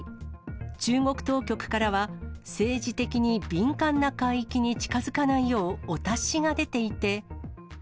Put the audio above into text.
中国当局からは、政治的に敏感な海域に近づかないようお達しが出ていて。